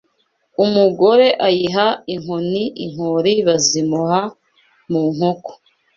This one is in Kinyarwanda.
Umugore ayiha inkoni inkori bazimuha mu nkoko